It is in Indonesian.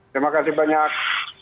terima kasih banyak